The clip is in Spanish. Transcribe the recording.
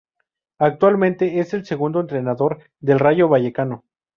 Actualmente es el segundo entrenador del Rayo Vallecano.